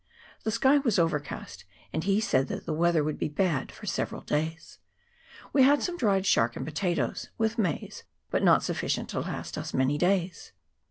The sky was overcast, and he said that the weather would be bad for several days. We had some dried shark and potatoes, with maize, but not sufficient to last us many days.